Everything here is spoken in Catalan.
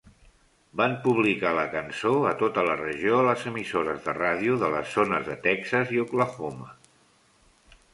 Van publicar la cançó a tota la regió a les emissores de ràdio de les zones de Texas i Oklahoma.